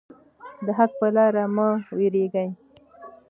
د حق په لاره کې مه ویریږئ.